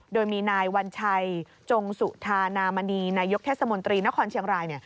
โดยมีนายวัญชัยจงสุธานามณีนายกเทศมนตรีนครเชียงราย